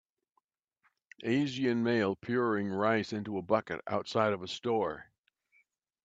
Asian male puring rice into a bucket outside of a store.